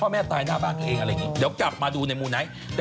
แม่ตายหน้าบ้านตัวเองอะไรอย่างนี้เดี๋ยวกลับมาดูในมูไนท์